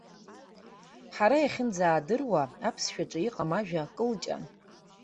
Ҳара иахьынӡаадыруа аԥсшәаҿы иҟам ажәа кылҷан.